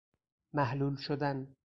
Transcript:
محلول شدن